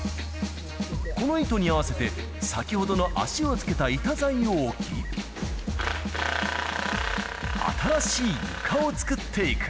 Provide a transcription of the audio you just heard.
この糸に合わせて、先ほどの脚を付けた板材を置き、新しい床を作っていく。